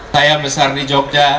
saya besar di jogja